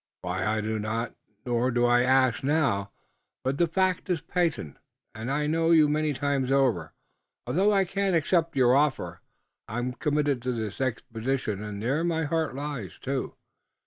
Why, I know not, nor do I ask now, but the fact is patent, and I thank you many times over, although I can't accept your offer. I'm committed to this expedition and there my heart lies, too.